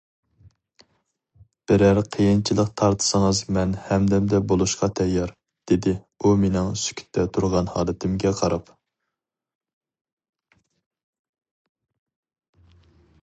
بىرەر قىيىنچىلىق تارتسىڭىز مەن ھەمدەمدە بولۇشقا تەييار، دېدى ئۇ مېنىڭ سۈكۈتتە تۇرغان ھالىتىمگە قاراپ.